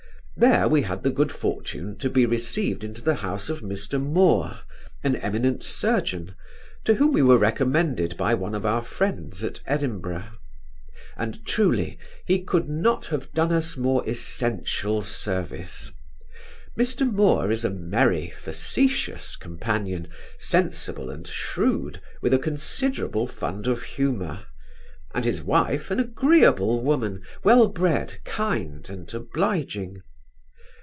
There we had the good fortune to be received into the house of Mr Moore, an eminent surgeon, to whom we were recommended by one of our friends at Edinburgh; and, truly, he could not have done us more essential service Mr Moore is a merry facetious companion, sensible and shrewd, with a considerable fund of humour; and his wife an agreeable woman, well bred, kind, and obliging.